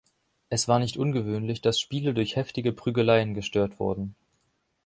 Es war nicht ungewöhnlich, dass Spiele durch heftige Prügeleien gestört wurden.